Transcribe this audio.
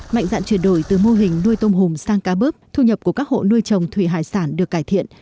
mạnh dạn chuyển đổi từ mô hình nuôi tôm hùm sang cá bớp thu nhập của các hộ nuôi trồng thủy hải sản được cải thiện